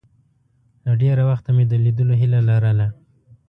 له ډېره وخته مې د لیدلو هیله لرله.